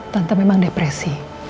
tante memang depresi